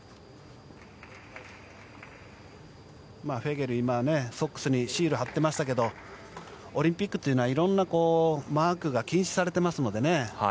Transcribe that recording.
フェゲル、今ソックスにシール貼っていましたがオリンピックというのはいろんなマークが禁止されてますので。